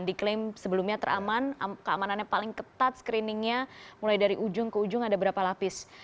diklaim sebelumnya teraman keamanannya paling ketat screeningnya mulai dari ujung ke ujung ada berapa lapis